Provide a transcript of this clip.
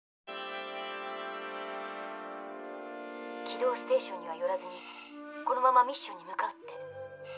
「軌道ステーションには寄らずこのままミッションに向かうって」。